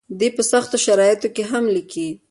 دی په سختو شرایطو کې هم لیکي.